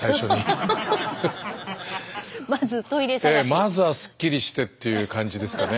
まずはスッキリしてっていう感じですかね。